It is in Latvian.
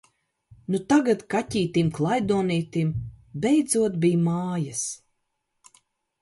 Nu tagad kaķītim klaidonītim beidzot bij mājas!